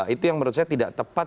itu yang menurut saya tidak tepat